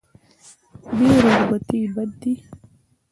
بې رغبتي بد دی.